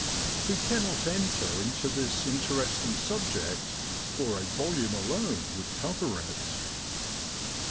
We cannot enter into this interesting subject, for a volume alone would cover it.